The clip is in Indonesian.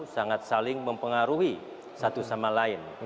sangat saling mempengaruhi satu sama lain